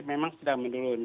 memang sudah menurun